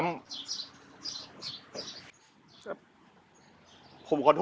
ออกไปเลย